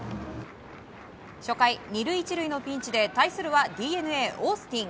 初回、２塁１塁のピンチで対するはＤｅＮＡ、オースティン。